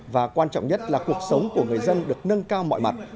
và quan trọng nhất là cuộc sống của người dân được nâng cao mọi mặt